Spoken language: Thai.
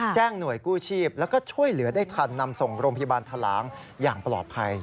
หน่วยกู้ชีพแล้วก็ช่วยเหลือได้ทันนำส่งโรงพยาบาลทะลางอย่างปลอดภัย